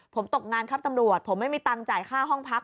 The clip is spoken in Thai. ผมตกงานครับตำรวจผมไม่มีตังค์จ่ายค่าห้องพัก